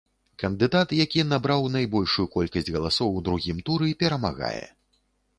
Кандыдат, які набраў найбольшую колькасць галасоў у другім туры, перамагае.